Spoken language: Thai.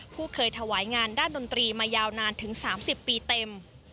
ผู้เคยถวายงานด้านดนตรีมายาวนานถึง๓๐ปีเต็ม